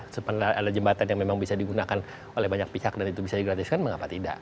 sebenarnya ada jembatan yang memang bisa digunakan oleh banyak pihak dan itu bisa digratiskan mengapa tidak